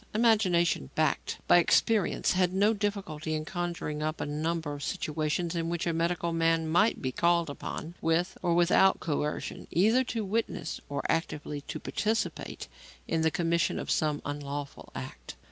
Imagination backed by experience had no difficulty in conjuring up a number of situations in which a medical man might be called upon, with or without coercion, either to witness or actively to participate in the commission of some unlawful act.